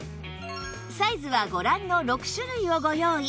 サイズはご覧の６種類をご用意